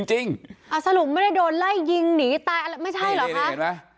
จริงสรุปไม่ได้โดนไล่ยิงหนีตายแล้วไม่ใช่เหรอคะ